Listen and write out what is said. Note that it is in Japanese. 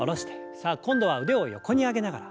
さあ今度は腕を横に上げながら。